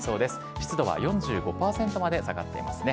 湿度は４５％まで下がっていますね。